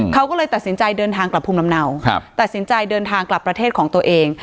เขาก็เลยตัดสินใจเดินทางกลับภูมิลำเนาตัดสินใจเดินทางกลับประเทศของตัวเอง